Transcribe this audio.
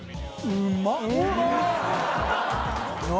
うまっ！